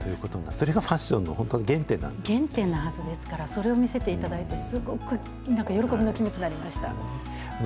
それがすごく、ファッションの原原点のはずですから、それを見せていただいて、すごくなんか喜びの気持ちがありました。